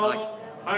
はい。